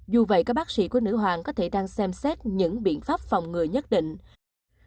dù vậy các bác sĩ của nữ hoàng có thể đang xem xét những biện pháp phòng thủ